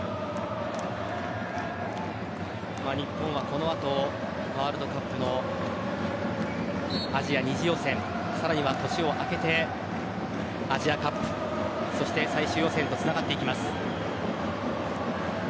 日本はこの後ワールドカップのアジア２次予選さらには年を明けてアジアカップ最終予選へとつながっていきます。